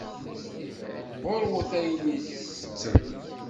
Ɣur-wet ayen i ttettem.